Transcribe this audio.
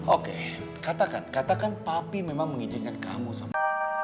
oke katakan katakan papi memang mengizinkan kamu sama